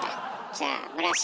じゃあ村重。